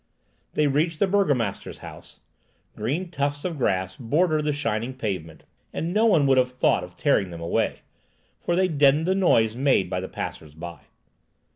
They reached the burgomaster's house. Green tufts of grass bordered the shining pavement, and no one would have thought of tearing them away, for they deadened the noise made by the passers by.